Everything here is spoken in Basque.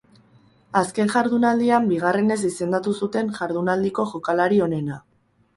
Azken jardunaldian bigarrenez izendatu zuten jardunaldiko jokalari onena.